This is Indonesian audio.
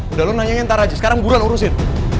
udah lu nanya nanti aja sekarang buruan urusin